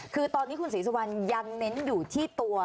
คือตอนนี้คุณศรีสุวรรณยังเน้นอยู่ที่ตัว